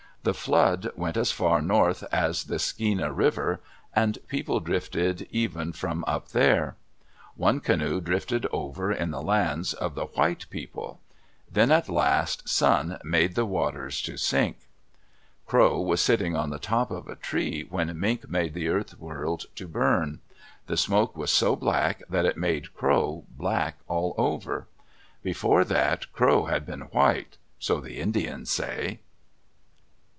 The flood went as far north as the Skeena River, and people drifted even from up there. One canoe drifted over in the lands of the white people. Then at last Sun made the waters to sink. [Illustration: Cathedral Peak Field, British Columbia Courtesy of Canadian Pacific Ry.] Crow was sitting on the top of a tree when Mink made the Earth World to burn. The smoke was so black that it made Crow black all over. Before that Crow had been white; so the Indians say.